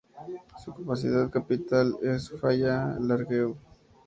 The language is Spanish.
Su ciudad capital es Faya-Largeau.